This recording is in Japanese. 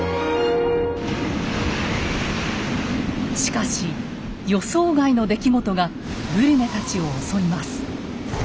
しかし予想外の出来事がブリュネたちを襲います。